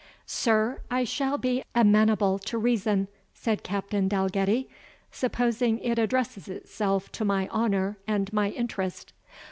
"Sir, I shall be amenable to reason," said Captain Dalgetty, "supposing it addresses itself to my honour and my interest.